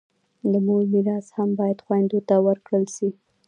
د مور میراث هم باید و خویندو ته ورکړل سي.